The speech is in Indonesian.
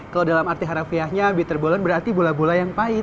kalau dalam arti harafiahnya bitterbollen berarti bola bola yang pahit